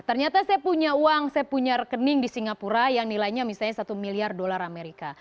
ternyata saya punya uang saya punya rekening di singapura yang nilainya misalnya satu miliar dolar amerika